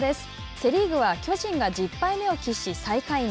セ・リーグは巨人が１０敗目を喫し最下位に。